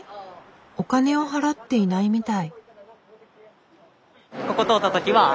お金を払っていないみたい。